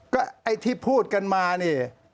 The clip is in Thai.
ก็ไอ้ที่พูดกันมานี่